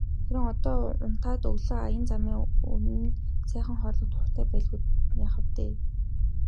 Харин одоо унтаад өглөө аян замын өмнө сайхан хооллоход дуртай байлгүй яах вэ.